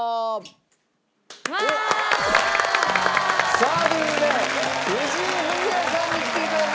さあという事で藤井フミヤさんに来て頂きました。